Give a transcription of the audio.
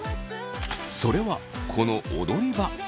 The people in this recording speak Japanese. それはこの踊り場。